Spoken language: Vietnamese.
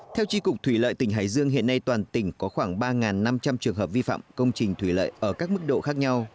theo tri cục thủy lợi tỉnh hải dương hiện nay toàn tỉnh có khoảng ba năm trăm linh trường hợp vi phạm công trình thủy lợi ở các mức độ khác nhau